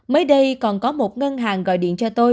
mới đây còn có một ngân hàng gọi điện cho tôi